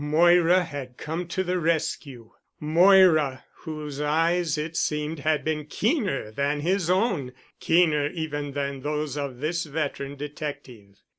Moira had come to the rescue! Moira—whose eyes, it seemed, had been keener than his own, keener even than those of this veteran detective.